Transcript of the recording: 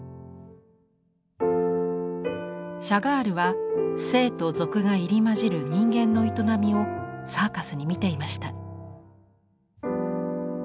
シャガールは聖と俗が入り交じる人間の営みをサーカスに見ていました。